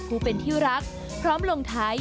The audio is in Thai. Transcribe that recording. ผู้เป็นที่รักพร้อมลงท้าย